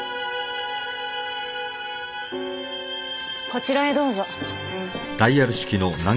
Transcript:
こちらへどうぞ。